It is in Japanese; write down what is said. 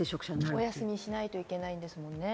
お休みしないといけないですもんね。